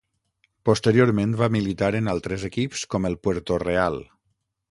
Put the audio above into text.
Posteriorment, va militar en altres equips com el Puerto Real.